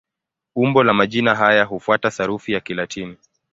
Umbo la majina haya hufuata sarufi ya Kilatini.